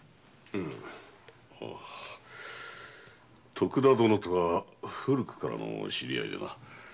徳田殿とは古くからの知り合いでな。